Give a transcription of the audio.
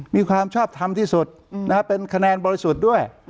มีความชอบทำที่สุดเป็นคะแนนบริสุทธิ์ด้วย